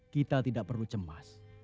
kita tidak perlu cemas